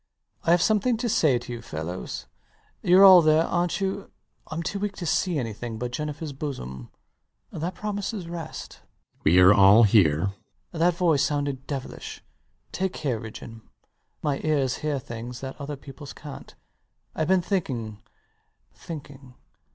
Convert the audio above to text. I have something to say to you fellows. Youre all there, arnt you? I'm too weak to see anything but Jennifer's bosom. That promises rest. RIDGEON. We are all here. LOUIS [startled] That voice sounded devilish. Take care, Ridgeon: my ears hear things that other people's cant. Ive been thinking thinking.